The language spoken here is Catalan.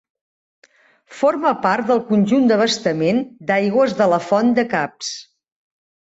Forma part del conjunt d'abastament d'aigües de la Font de Caps.